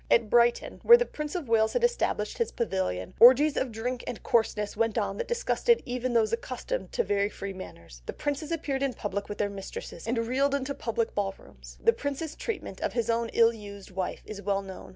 At Brighton, where the Prince of Wales had established his pavilion, orgies of drink and coarseness went on that disgusted even those accustomed to very free manners; the princes appeared in public with their mistresses, and reeled into public ball rooms. The Prince's treatment of his own ill used wife is well known.